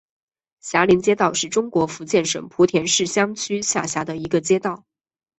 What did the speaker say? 霞林街道是中国福建省莆田市城厢区下辖的一个街道。